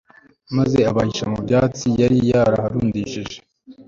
maze abahisha mu byatsi yari yaharundishije